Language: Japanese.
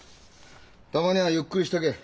たまにはゆっくりしてけ。